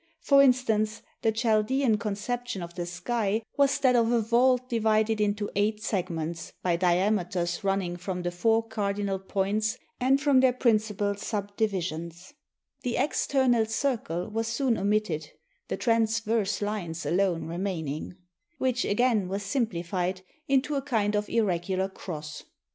For instance, the Chaldaean conception of the sky was that of a vault divided into eight segments by diameters run ning from the four cardinal points and from their prin cipal subdivisions fyitj I the external circle was soon omitted, the transverse lines alone remaining i^Nq which again was simplified into a kind of irregular cross w I